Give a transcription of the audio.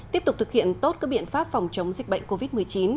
tiếp tục thực hiện tốt các biện pháp phòng chống dịch bệnh covid một mươi chín